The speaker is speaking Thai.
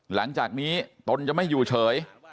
หลังจากนี้ตนจะไม่อยู่เฉย